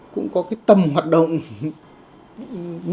cũng có cái tầm hoạt động như doanh nghiệp đâu